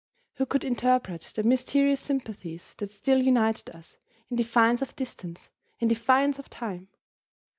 Who could interpret the mysterious sympathies that still united us, in defiance of distance, in defiance of time?